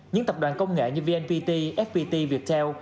những tập đoàn công nghệ như vnpt fpt viettel